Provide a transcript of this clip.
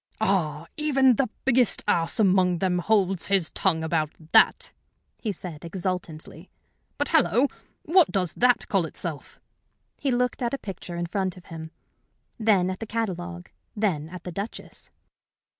"Ah, even the biggest ass among them holds his tongue about that!" he said, exultantly. "But, hallo! What does that call itself?" He looked at a picture in front of him, then at the catalogue, then at the Duchess.